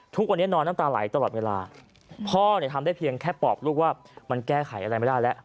ทุกวันนี้นอนน้ำตาไหลตลอดเวลาพ่อเนี่ยทำได้เพียงแค่ปอบลูกว่ามันแก้ไขอะไรไม่ได้แล้ว